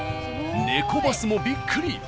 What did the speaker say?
ネコバスもびっくり！